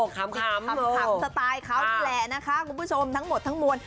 ขำสไตล์เขานี่แหละนะคะคุณผู้ชมทั้งหมดทั้งมวล